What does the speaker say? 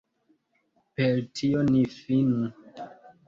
Per tio ni finu.